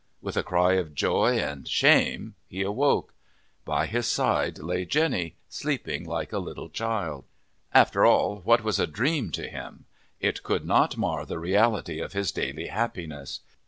With a cry of joy and shame he awoke. By his side lay Jenny, sleeping like a little child. After all, what was a dream to him? It could not mar the reality of his daily happiness.